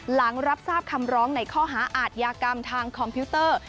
หลังรับทราบคำร้องในข้อหาอาทยากรรมทางคอมพิวเตอร์